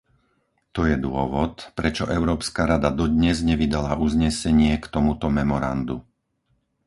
To je dôvod, prečo Európska rada dodnes nevydala uznesenie k tomuto memorandu.